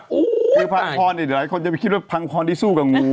คือพังพรหรือหลายคนยังไม่คิดว่าพังพรที่สู้กับงู